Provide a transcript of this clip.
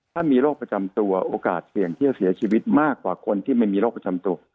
ถ้ามีโรคประจำตัวโอกาสเสี่ยงที่จะเสียชีวิตมากกว่าคนที่ไม่มีโรคประจำตัว